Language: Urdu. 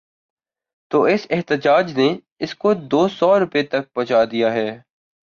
تو اس احتجاج نے اس کو دوسو روپے تک پہنچا دیا ہے۔